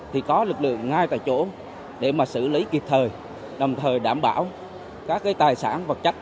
thì có lực lượng ngay tại chỗ để mà xử lý kịp thời đồng thời đảm bảo các tài sản vật chất